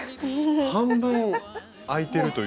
半分開いてるというか。